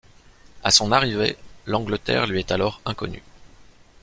À son arrivée, l'Angleterre lui est alors inconnue.